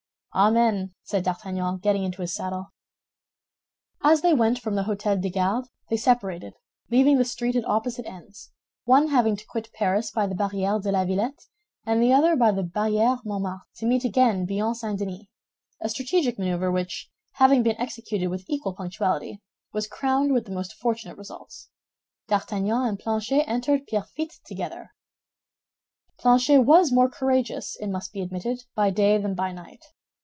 "Amen!" said D'Artagnan, getting into his saddle. As they went from the Hôtel des Gardes, they separated, leaving the street at opposite ends, one having to quit Paris by the Barrière de la Villette and the other by the Barrière Montmartre, to meet again beyond St. Denis—a strategic maneuver which, having been executed with equal punctuality, was crowned with the most fortunate results. D'Artagnan and Planchet entered Pierrefitte together. Planchet was more courageous, it must be admitted, by day than by night.